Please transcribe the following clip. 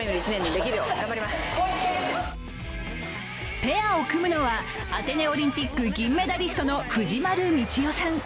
ペアを組むのはアテネオリンピック銀メダリストの藤丸真世さん。